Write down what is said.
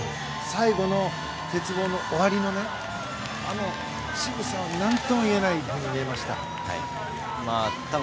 最後の鉄棒の終わりのあのしぐさは何とも言えない感じだと見えました。